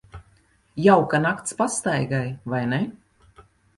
Jauka nakts pastaigai, vai ne?